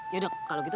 yaudah kalau gitu